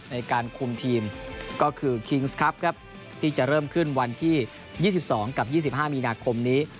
ในการคุมทีมก็คือครีงส์ครับครับที่จะเริ่มขึ้นวันที่ยี่สิบสองกับยี่สิบห้ามีนาคมนี้